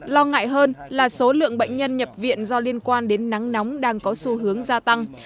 lo ngại hơn là số lượng bệnh nhân nhập viện do liên quan đến nắng nóng đang có xu hướng gia tăng